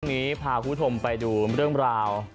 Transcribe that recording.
พรุ่งนี้พาครูธมไปดูเรื่องราว